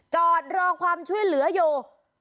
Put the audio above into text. จอดรอความช่วยเหลืออยู่